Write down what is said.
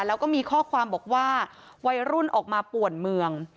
แล้วก็มีข้อความบอกว่าวัยรุ่นออกมาป่วนเมือง